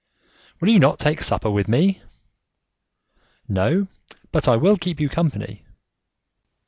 "Will you not take supper with me?" "No, but I will keep you company."